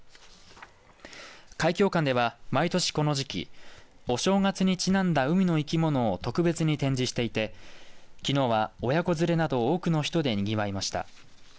海響館では毎年この時期お正月にちなんだ海の生き物を特別に展示していてきのうは親子連れなど多くの人でにぎわいました。